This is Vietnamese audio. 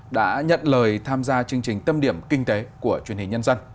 đã nhận lời tham gia chương trình tâm điểm kinh tế của truyền hình nhân dân